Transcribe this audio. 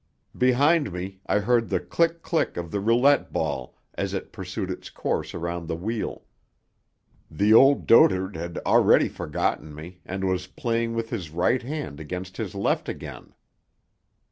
Behind me I heard the click, click of the roulette ball as it pursued its course around the wheel. The old dotard had already forgotten me, and was playing with his right hand against his left again.